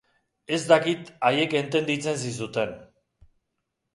Ez dakit haiek entenditzen zizuten.